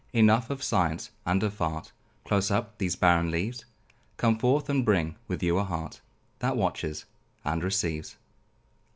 Enough of science and of art; Close up these barren leaves; Come forth, and bring with you a heart That watches and receives.